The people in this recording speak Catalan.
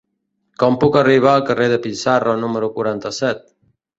Com puc arribar al carrer de Pizarro número quaranta-set?